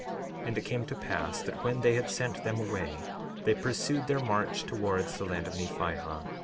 62:18 And it came to pass that when they had sent them away they pursued their march towards the land of Nephihah.